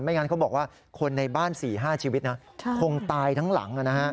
งั้นเขาบอกว่าคนในบ้าน๔๕ชีวิตนะคงตายทั้งหลัง